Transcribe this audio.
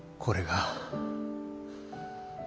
これが。